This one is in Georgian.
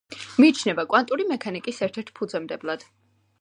მიიჩნევა კვანტური მექანიკის ერთ-ერთ ფუძემდებლად.